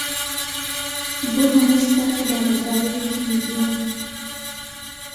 بۆ: هەموو ستافی دامەزراوەی ویکیمیدیا.